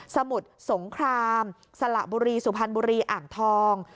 สมุทรสงครามสละบุรีสุพรรณบุรีอ่างทอง